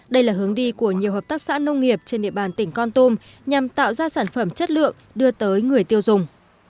đây là hướng đi của nhiều hợp tác xã nông nghiệp trên địa bàn tỉnh con tum nhằm tạo ra sản phẩm chất lượng đưa tới người tiêu dùng